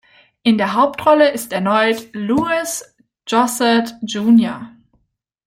In der Hauptrolle ist erneut Louis Gossett Jr.